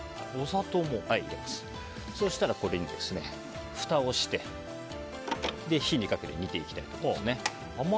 そうしたら、これにふたをして火にかけて煮ていきたいと思います。